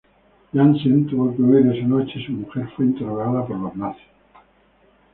Janssen tuvo que huir esa noche y su mujer fue interrogada por los nazis.